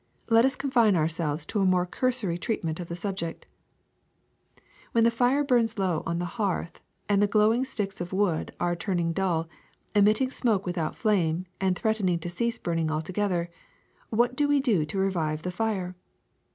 Let us confine ourselves to a more cursory treatment of the subject. '^When the fire burns low on the hearth and the glowing sticks of wood are turning dull, emitting smoke without flame and threatening to cease burn ing altogether, what do we do to revive the fire?